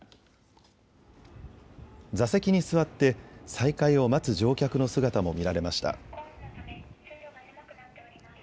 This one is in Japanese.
座席に座って再開を待つ乗客の姿も見られました。